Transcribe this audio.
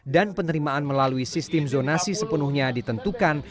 dan penerimaan melalui sistem zonasi sepenuhnya ditentukan